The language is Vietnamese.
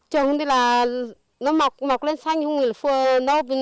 trường hôm nay là nó mọc lên xanh hôm nay là phôi